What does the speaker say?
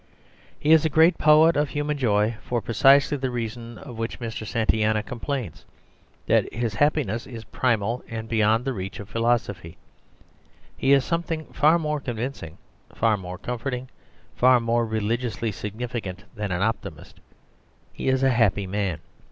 He is a great poet of human joy for precisely the reason of which Mr. Santayana complains: that his happiness is primal, and beyond the reach of philosophy. He is something far more convincing, far more comforting, far more religiously significant than an optimist: he is a happy man.